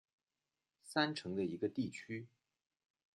三城的一个地区。